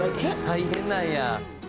大変なんや。